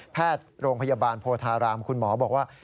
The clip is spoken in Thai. แพทย์โรงพยาบาลโพธารามคุณหมอบอกว่า